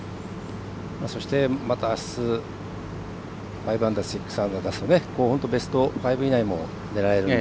そして、またあす５アンダー、６アンダー出すとベスト５以内も狙えるので。